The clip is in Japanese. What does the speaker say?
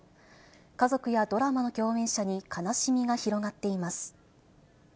家族やドラマの共演者に悲しみが広がっています。